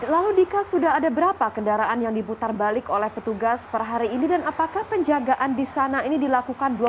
lalu dika sudah ada berapa kendaraan yang diputar balik oleh petugas per hari ini dan apakah penjagaan di sana ini dilakukan